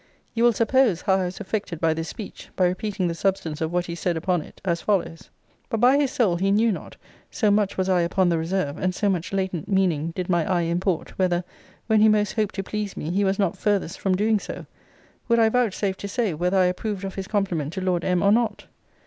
You will suppose how I was affected by this speech, by repeating the substance of what he said upon it; as follows. But, by his soul, he knew not, so much was I upon the reserve, and so much latent meaning did my eye import, whether, when he most hoped to please me, he was not farthest from doing so. Would I vouchsafe to say, whether I approved of his compliment to Lord M. or not?